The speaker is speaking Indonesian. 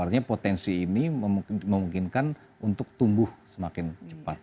artinya potensi ini memungkinkan untuk tumbuh semakin cepat